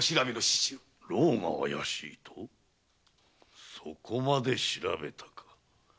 牢が怪しいとそこまで調べたか。